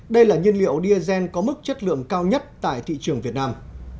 đây là nhiên liệu diazen có mức chất lượng cao nhất tại thị trường việt nam